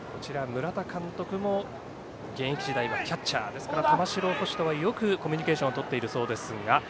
村田監督も現役時代はキャッチャー。ですから、玉城捕手とはよくコミュニケーションをとっているそうですが。